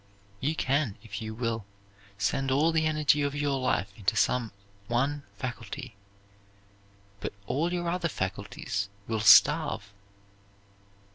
You can, if you will, send all the energy of your life into some one faculty, but all your other faculties will starve.